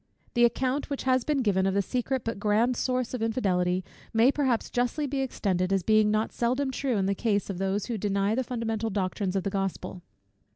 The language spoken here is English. The account which has been given, of the secret, but grand, source of infidelity, may perhaps justly be extended, as being not seldom true in the case of those who deny the fundamental doctrines of the Gospel.